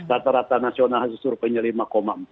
rata rata nasional hasil surveinya lima empat